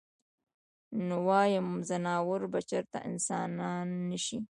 نو وايم ځناور به چرته انسانان نشي -